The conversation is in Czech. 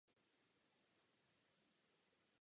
Původně byla určena zejména pro mezinárodní rychlíky.